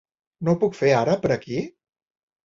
No ho puc fer ara, per aquí?